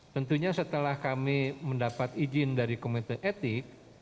tentunya setelah kami mendapat izin dari komite etik